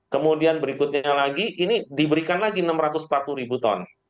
kemudian berikutnya lagi ini diberikan lagi enam ratus empat puluh ribu ton